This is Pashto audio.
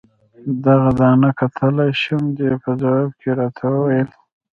دغه دانه کتلای شم؟ دې په ځواب کې راته وویل.